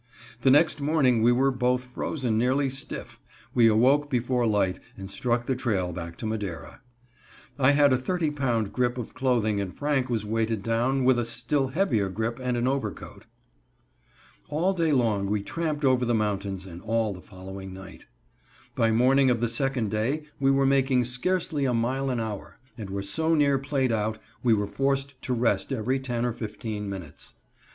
The next morning we were both frozen nearly stiff; we awoke before light and struck the trail back to Madera. I had a thirty pound grip of clothing and Franck was weighted down with a still heavier grip and an overcoat. All day long we tramped over the mountains, and all the following night. By morning of the second day we were making scarcely a mile an hour, and were so near played out we were forced to rest every ten or fifteen minutes.